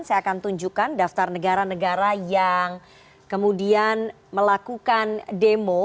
saya akan tunjukkan daftar negara negara yang kemudian melakukan demo